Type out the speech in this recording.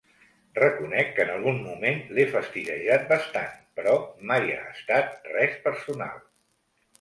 Reconec que en algun moment l'he fastiguejat bastant, però mai ha estat res personal.